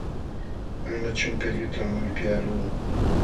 Qanla chumpi allqutam wipyaaluu.